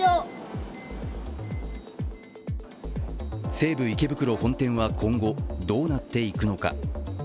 西武池袋本店は今後どうなっていくのか。